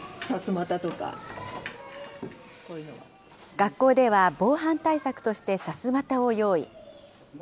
学校では、防犯対策としてさすまたを用意。